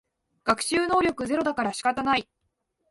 学習能力ゼロだから仕方ない